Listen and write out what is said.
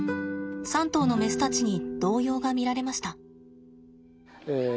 ３頭のメスたちに動揺が見られました。